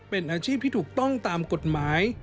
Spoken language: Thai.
เป็นอาชีพที่ถูกต้องตามกฎหมาย